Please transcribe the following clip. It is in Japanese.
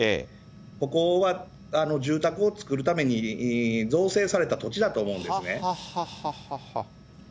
ここは住宅を作るために造成された土地だと思うんですね。